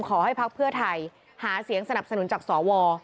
ภักดิ์เพื่อไทยหาเสียงสนับสนุนจากสว